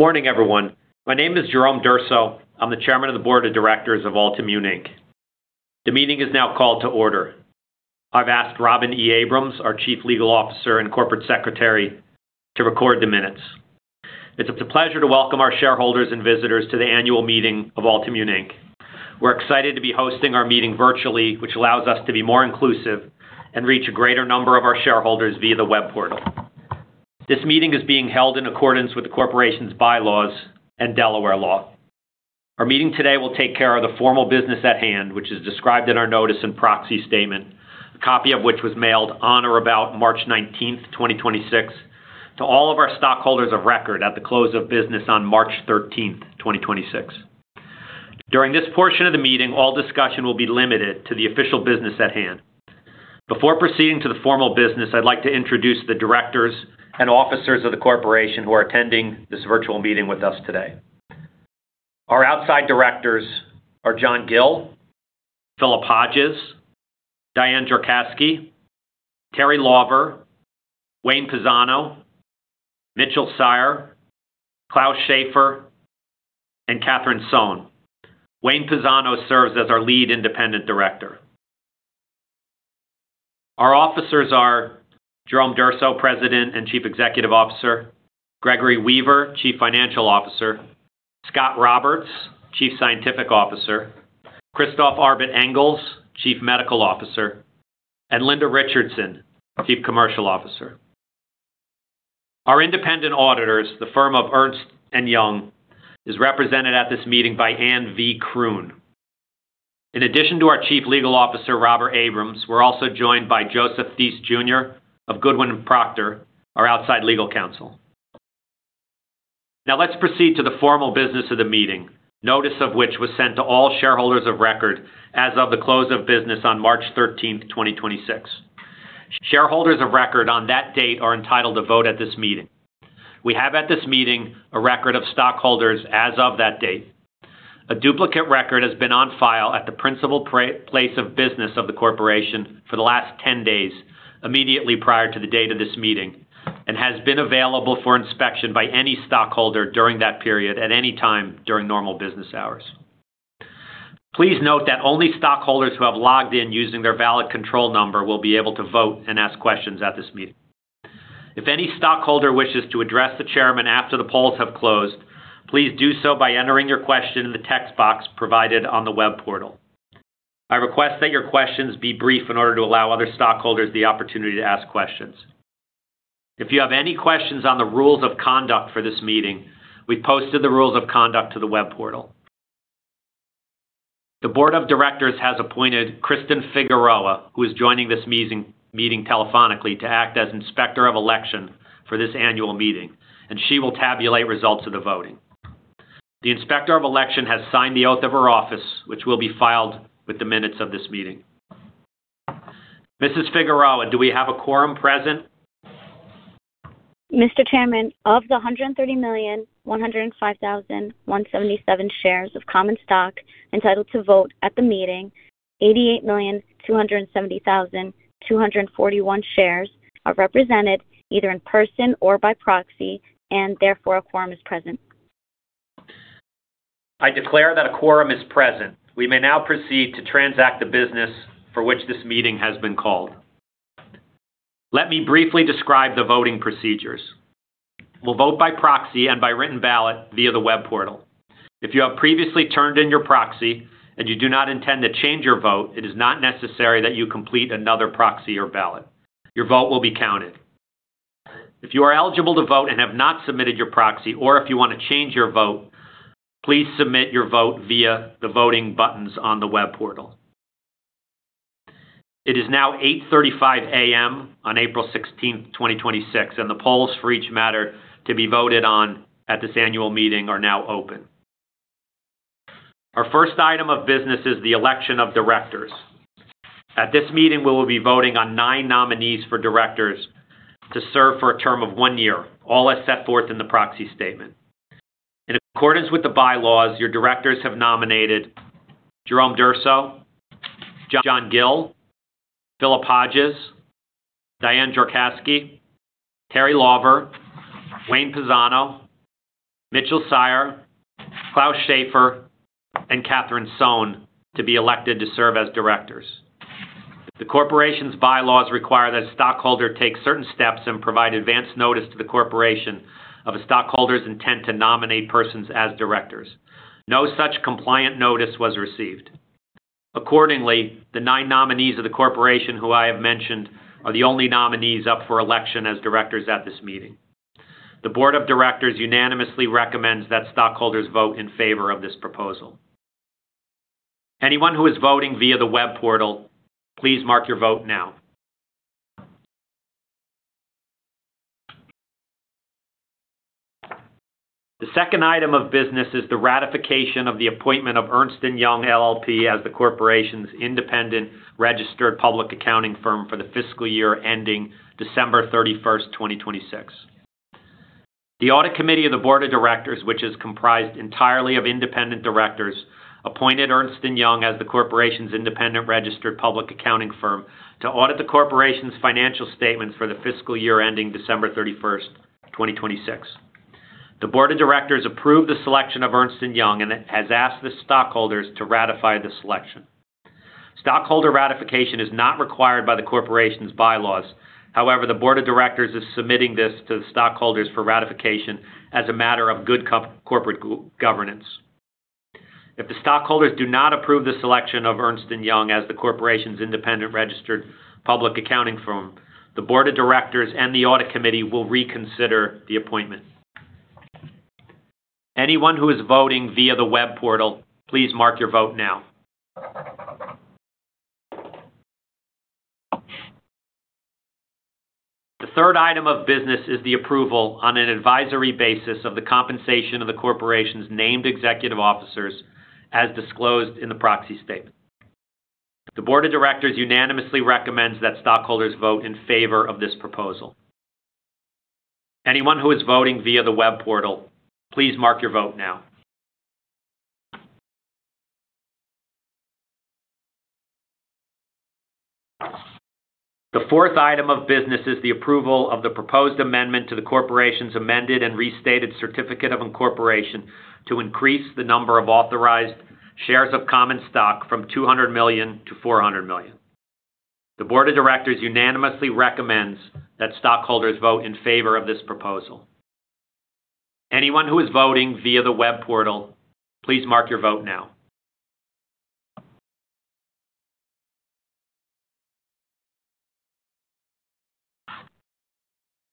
Good morning, everyone. My name is Jerome Durso. I'm the Chairman of the Board of Directors of Altimmune, Inc. The meeting is now called to order. I've asked Robin E. Abrams, our Chief Legal Officer and Corporate Secretary, to record the minutes. It's a pleasure to welcome our shareholders and visitors to the annual meeting of Altimmune, Inc. We're excited to be hosting our meeting virtually, which allows us to be more inclusive and reach a greater number of our shareholders via the web portal. This meeting is being held in accordance with the corporation's bylaws and Delaware law. Our meeting today will take care of the formal business at hand, which is described in our notice and proxy statement, a copy of which was mailed on or about March 19th, 2026, to all of our stockholders of record at the close of business on March 13th, 2026. During this portion of the meeting, all discussion will be limited to the official business at hand. Before proceeding to the formal business, I'd like to introduce the directors and officers of the corporation who are attending this virtual meeting with us today. Our outside directors are John M. Gill, Philip Hodges, Diane K. Jorkasky, Teri Lawver, Wayne Pisano, Mitchel Sayare, Klaus O. Schafer, and Catherine Angell Sohn. Wayne Pisano serves as our Lead Independent Director. Our officers are Jerome Durso, President and Chief Executive Officer, Greg Weaver, Chief Financial Officer, Scot Roberts, Chief Scientific Officer, Christophe Arbet-Engels, Chief Medical Officer, and Linda M. Richardson, Chief Commercial Officer. Our independent auditors, the firm of Ernst & Young, is represented at this meeting by Anne V. Kroon. In addition to our Chief Legal Officer, Robin E. Abrams, we're also joined by Joseph C. Theis Jr. of Goodwin Procter, our outside legal counsel. Now let's proceed to the formal business of the meeting, notice of which was sent to all shareholders of record as of the close of business on March 13th, 2026. Shareholders of record on that date are entitled to vote at this meeting. We have at this meeting a record of stockholders as of that date. A duplicate record has been on file at the principal place of business of the corporation for the last 10 days, immediately prior to the date of this meeting, and has been available for inspection by any stockholder during that period at any time during normal business hours. Please note that only stockholders who have logged in using their valid control number will be able to vote and ask questions at this meeting. If any stockholder wishes to address the chairman after the polls have closed, please do so by entering your question in the text box provided on the web portal. I request that your questions be brief in order to allow other stockholders the opportunity to ask questions. If you have any questions on the rules of conduct for this meeting, we've posted the rules of conduct to the web portal. The board of directors has appointed Kristen Figueroa, who is joining this meeting telephonically, to act as Inspector of Election for this annual meeting, and she will tabulate results of the voting. The Inspector of Election has signed the oath of her office, which will be filed with the minutes of this meeting. Mrs. Figueroa, do we have a quorum present? Mr. Chairman, of the 130,105,177 shares of common stock entitled to vote at the meeting, 88,270,241 shares are represented either in person or by proxy, and therefore, a quorum is present. I declare that a quorum is present. We may now proceed to transact the business for which this meeting has been called. Let me briefly describe the voting procedures. We'll vote by proxy and by written ballot via the web portal. If you have previously turned in your proxy and you do not intend to change your vote, it is not necessary that you complete another proxy or ballot. Your vote will be counted. If you are eligible to vote and have not submitted your proxy, or if you want to change your vote, please submit your vote via the voting buttons on the web portal. It is now 8:35 A.M. on April 16th, 2026, and the polls for each matter to be voted on at this annual meeting are now open. Our first item of business is the election of directors. At this meeting, we will be voting on nine nominees for directors to serve for a term of one year, all as set forth in the proxy statement. In accordance with the bylaws, your directors have nominated Jerome Durso, John Gill, Philip Hodges, Diane K. Jorkasky, Teri Lawver, Wayne Pisano, Mitchel Sayare, Klaus O. Schafer, and Catherine Angell Sohn to be elected to serve as directors. The corporation's bylaws require that a stockholder take certain steps and provide advance notice to the corporation of a stockholder's intent to nominate persons as directors. No such compliant notice was received. Accordingly, the nine nominees of the corporation who I have mentioned are the only nominees up for election as directors at this meeting. The board of directors unanimously recommends that stockholders vote in favor of this proposal. Anyone who is voting via the web portal, please mark your vote now. The second item of business is the ratification of the appointment of Ernst & Young LLP as the corporation's independent registered public accounting firm for the fiscal year ending December 31st, 2026. The audit committee of the board of directors, which is comprised entirely of independent directors, appointed Ernst & Young as the corporation's independent registered public accounting firm to audit the corporation's financial statements for the fiscal year ending December 31st, 2026. The board of directors approved the selection of Ernst & Young and has asked the stockholders to ratify the selection. Stockholder ratification is not required by the corporation's bylaws. However, the board of directors is submitting this to the stockholders for ratification as a matter of good corporate governance. If the stockholders do not approve the selection of Ernst & Young as the corporation's independent registered public accounting firm, the board of directors and the audit committee will reconsider the appointment. Anyone who is voting via the web portal, please mark your vote now. The third item of business is the approval on an advisory basis of the compensation of the corporation's named executive officers as disclosed in the proxy statement. The board of directors unanimously recommends that stockholders vote in favor of this proposal. Anyone who is voting via the web portal, please mark your vote now. The fourth item of business is the approval of the proposed amendment to the corporation's amended and restated certificate of incorporation to increase the number of authorized shares of common stock from 200 million-400 million. The board of directors unanimously recommends that stockholders vote in favor of this proposal. Anyone who is voting via the web portal, please mark your vote now.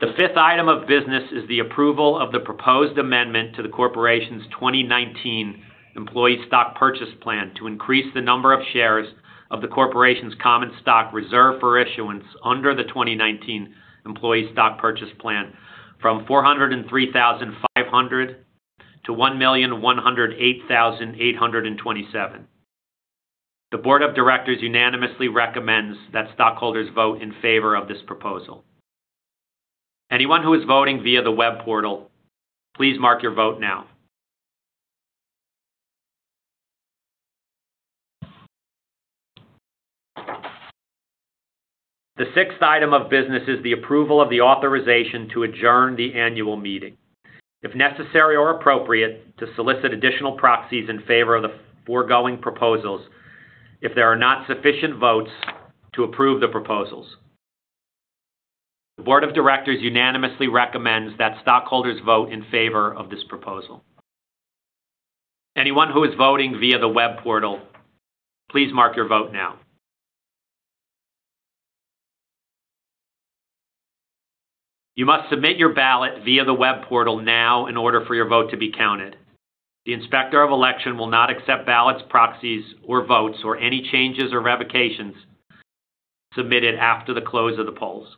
The fifth item of business is the approval of the proposed amendment to the corporation's 2019 Employee Stock Purchase Plan to increase the number of shares of the corporation's common stock reserved for issuance under the 2019 Employee Stock Purchase Plan from 403,500 to 1,108,827. The board of directors unanimously recommends that stockholders vote in favor of this proposal. Anyone who is voting via the web portal, please mark your vote now. The sixth item of business is the approval of the authorization to adjourn the annual meeting, if necessary or appropriate, to solicit additional proxies in favor of the foregoing proposals if there are not sufficient votes to approve the proposals. The Board of Directors unanimously recommends that stockholders vote in favor of this proposal. Anyone who is voting via the web portal, please mark your vote now. You must submit your ballot via the web portal now in order for your vote to be counted. The Inspector of Election will not accept ballots, proxies, or votes, or any changes or revocations submitted after the close of the polls.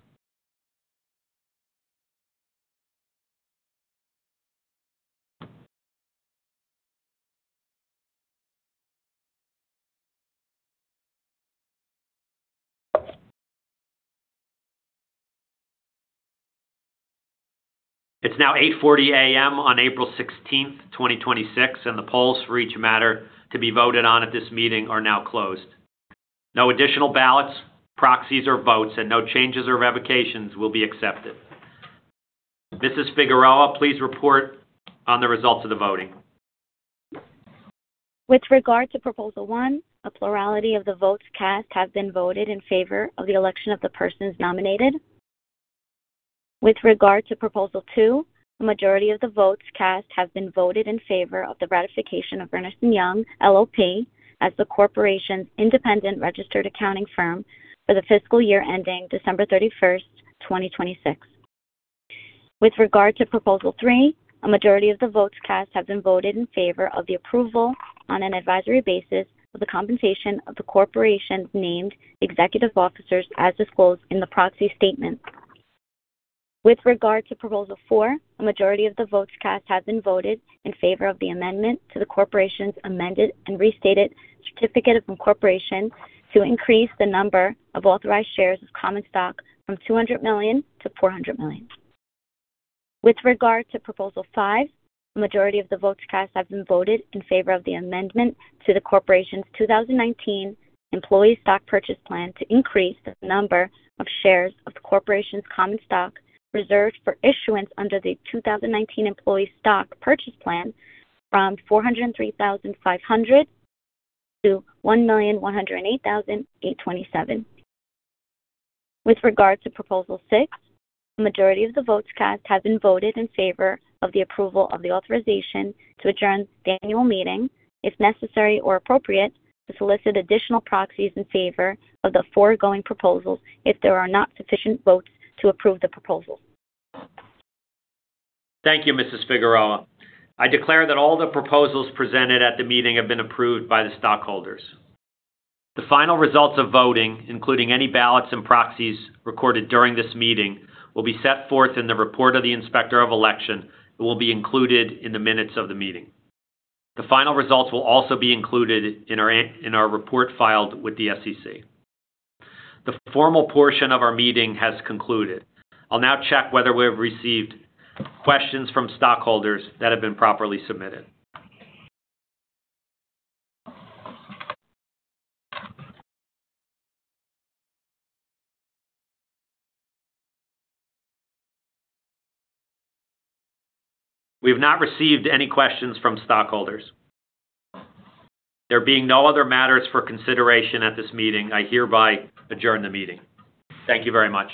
It's now 8:40 A.M. on April 16, 2026, and the polls for each matter to be voted on at this meeting are now closed. No additional ballots, proxies, or votes, and no changes or revocations will be accepted. Mrs. Figueroa, please report on the results of the voting. With regard to proposal one, a plurality of the votes cast have been voted in favor of the election of the persons nominated. With regard to proposal two, a majority of the votes cast have been voted in favor of the ratification of Ernst & Young LLP as the corporation's independent registered accounting firm for the fiscal year ending December 31st, 2026. With regard to proposal three, a majority of the votes cast have been voted in favor of the approval on an advisory basis of the compensation of the corporation's named executive officers as disclosed in the proxy statement. With regard to proposal four, a majority of the votes cast have been voted in favor of the amendment to the corporation's amended and restated certificate of incorporation to increase the number of authorized shares of common stock from 200 million to 400 million. With regard to proposal five, a majority of the votes cast have been voted in favor of the amendment to the corporation's 2019 Employee Stock Purchase Plan to increase the number of shares of the corporation's common stock reserved for issuance under the 2019 Employee Stock Purchase Plan from 403,500 to 1,108,827. With regard to proposal six, a majority of the votes cast have been voted in favor of the approval of the authorization to adjourn the annual meeting, if necessary or appropriate, to solicit additional proxies in favor of the foregoing proposals if there are not sufficient votes to approve the proposal. Thank you, Mrs. Figueroa. I declare that all the proposals presented at the meeting have been approved by the stockholders. The final results of voting, including any ballots and proxies recorded during this meeting, will be set forth in the report of the inspector of election and will be included in the minutes of the meeting. The final results will also be included in our report filed with the SEC. The formal portion of our meeting has concluded. I'll now check whether we have received questions from stockholders that have been properly submitted. We've not received any questions from stockholders. There being no other matters for consideration at this meeting, I hereby adjourn the meeting. Thank you very much.